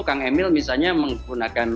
kang emil misalnya menggunakan